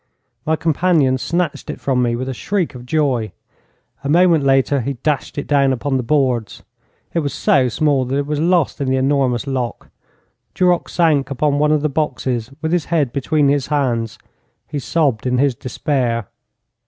My companion snatched it from me with a shriek of joy. A moment later he dashed it down upon the boards. It was so small that it was lost in the enormous lock. Duroc sank upon one of the boxes with his head between his hands. He sobbed in his despair.